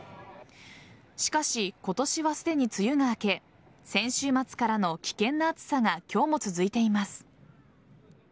しかし、今年はすでに梅雨が明け先週末からの危険な暑さが今日も続いています。